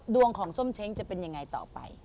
ดวงของส้มเช้งจะเป็นยังไงต่อไป